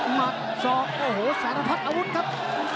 หมัดศอกโอ้โหสารพัดอาวุธครับ